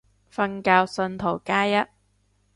瞓覺信徒加一